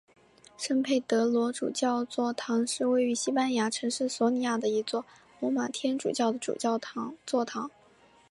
圣佩德罗主教座堂是位于西班牙城市索里亚的一座罗马天主教的主教座堂。